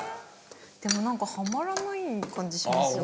でもなんかはまらない感じしますよね。